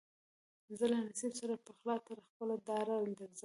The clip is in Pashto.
زه له نصیب سره پخلا تر خپله داره درځم